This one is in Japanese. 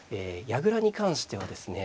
矢倉に関してはですね